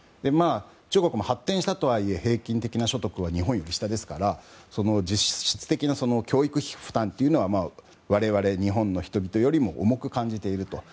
中国も発展したとはいえ平均的な所得は日本よりも下ですから実質的な教育費負担は我々、日本の人々よりも重く感じていると。